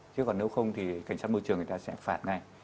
chứ còn nếu không thì cảnh sát môi trường người ta sẽ phạt ngay